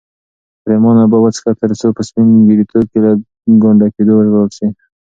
پرېمانه اوبه وڅښه ترڅو په سپین ږیرتوب کې له ګونډه کېدو وژغورل شې.